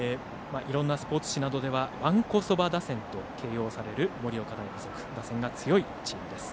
いろんなスポーツ紙などではわんこそば打線と形容される盛岡大付属、打線が強いチーム。